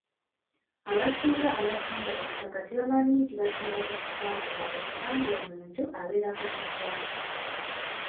Abasinga abatunda ettaka tebamanya nti batunda busika bwabwe kubanga omuntu abeerako ne gy’ava.